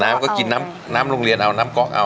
น้ำก็กินน้ำโรงเรียนเอาน้ำก๊อกเอา